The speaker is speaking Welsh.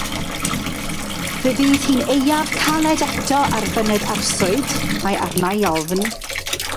Fe fydd hi'n aeaf caled eto ar Fynydd Arswyd, mae arnaf i ofn.